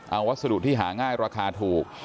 เอาวัสดุที่หาง่ายราคาถูก